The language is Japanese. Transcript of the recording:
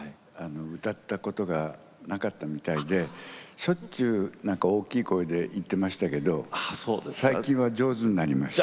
歌ったことがなかったみたいでしょっちゅうなんか大きい声で言ってましたけど最近は上手になりました。